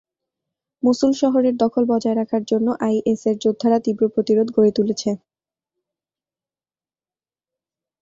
মসুল শহরের দখল বজায় রাখার জন্য আইএসের যোদ্ধারা তীব্র প্রতিরোধ গড়ে তুলেছে।